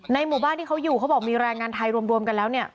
หมู่บ้านที่เขาอยู่เขาบอกมีแรงงานไทยรวมกันแล้วเนี่ย